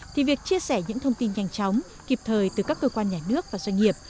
thì việc chia sẻ những thông tin nhanh chóng kịp thời từ các cơ quan nhà nước và doanh nghiệp